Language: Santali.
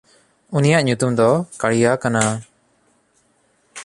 ᱩᱱᱤᱭᱟᱜ ᱧᱩᱛᱩᱢ ᱫᱚ ᱠᱟᱲᱤᱭᱟ ᱠᱟᱱᱟ᱾